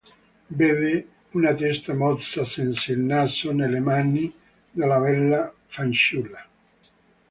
Vede una testa mozza senza il naso, nelle mani della bella fanciulla.